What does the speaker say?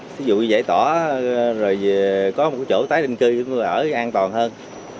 ví dụ như giải tỏa rồi có một chỗ tái định cư chúng tôi ở an toàn hơn